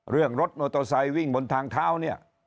เรื่องรถโนโตไซด์วิ่งบนทางเท้าเนี่ย